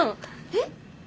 えっ？